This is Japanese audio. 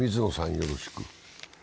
よろしく。